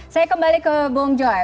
saya kembali ke bung joy